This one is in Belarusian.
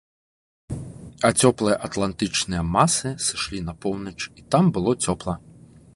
А цёплыя атлантычныя масы сышлі на поўнач і там было цёпла.